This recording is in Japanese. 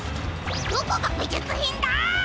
どこがびじゅつひんだ！